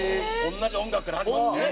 同じ音楽から始まってね。